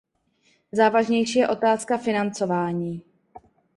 Závažnější je otázka financování.